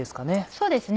そうですね